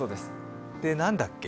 何だっけ？